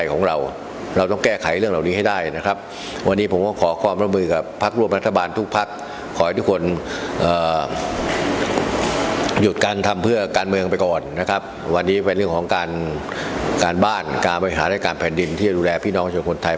การทำเพื่อการเมืองไปก่อนนะครับวันนี้เป็นเรื่องของการบ้านการไปหาได้การแผ่นดินที่จะดูแลพี่น้องชนคนไทย